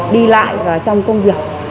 đi lại và trong công việc